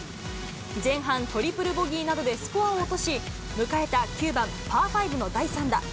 前半、トリプルボギーなどでスコアを落とし、迎えた９番パー５の第３打。